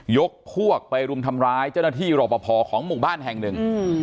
ยกพวกไปรุมทำร้ายเจ้าหน้าที่รอปภของหมู่บ้านแห่งหนึ่ง